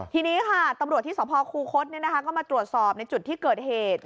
ทีนี้ค่ะตำรวจที่สภคูคศก็มาตรวจสอบในจุดที่เกิดเหตุ